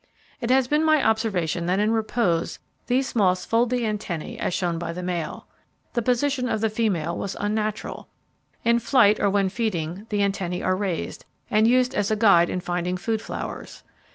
It has been my observation that in repose these moths fold the antennae as shown by the male. The position of the female was unnatural. In flight, or when feeding, the antennae are raised, and used as a guide in finding food flowers.